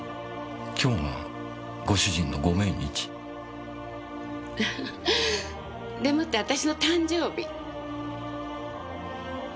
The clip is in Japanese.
今日がご主人のご命日。でもってあたしの誕生日。